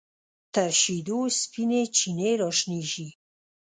تر شیدو سپینې چینې راشنې شي